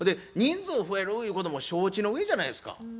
人数増えるゆうことも承知のうえじゃないですか。